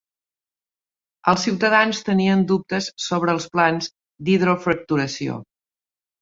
Els ciutadans tenien dubtes sobre els plans d'hidrofracturació.